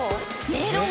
メロン。